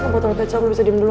botol kecap lo bisa diam dulu